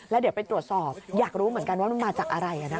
แล้วเดี๋ยวไปตรวจสอบอยากรู้เหมือนกันว่ามันมาจากอะไร